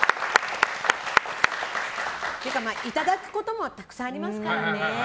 いただくこともたくさんありますからね。